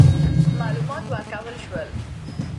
معلومات ورکول سول.